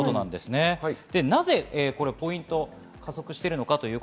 なぜ、ポイント、加速してるのか。